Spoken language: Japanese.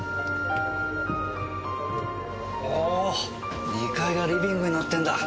おーっ２階がリビングになってんだ！